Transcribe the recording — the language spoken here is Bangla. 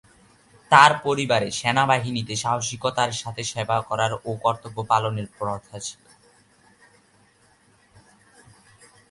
তাঁর পরিবারে সেনাবাহিনীতে সাহসিকতার সাথে সেবা করার ও কর্তব্য পালনের প্রথা ছিল।